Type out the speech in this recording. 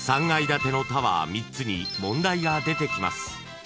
［３階建てのタワー３つに問題が出てきます］